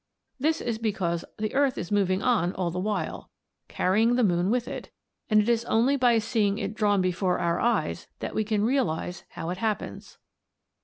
This is because the earth is moving on all the while, carrying the moon with it, and it is only by seeing it drawn before our eyes that we can realise how it happens.